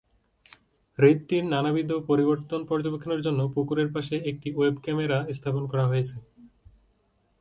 হ্রদটির নানাবিধ পরিবর্তন পর্যবেক্ষণের জন্য পুকুরের পাশে একটি ওয়েব ক্যামেরা স্থাপন করা হয়েছে।